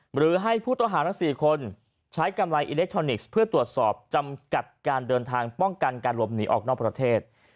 หรือให้ผู้ต้องหาทั้ง๔คนใช้กำไรอิเล็กทรอนิกส์เพื่อตรวจสอบจำกัดการเดินทางป้องกันการหลบหนีออกนอกประเทศ